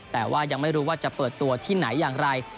แต่ว่ายังไม่รู้ว่าจะเปิดตัวที่ไหนอย่างไร